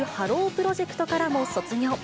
プロジェクトからも卒業。